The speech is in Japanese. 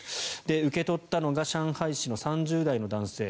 受け取ったのが上海市の３０代の男性。